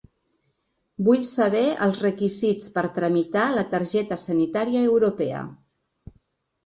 Vull saber els requisits per tramitar la targeta sanitaria europea.